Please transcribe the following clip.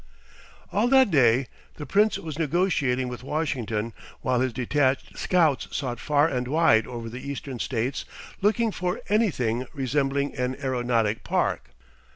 All that day the Prince was negotiating with Washington, while his detached scouts sought far and wide over the Eastern States looking for anything resembling an aeronautic park.